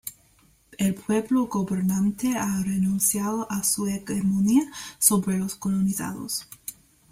el pueblo gobernante ha renunciado a su hegemonía sobre los colonizados